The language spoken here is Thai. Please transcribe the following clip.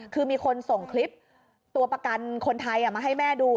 คือมีคนส่งคลิปตัวประกันคนไทยมาให้แม่ดู